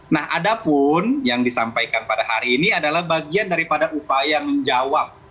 nah ada pun yang disampaikan pada hari ini adalah bagian daripada upaya menjawab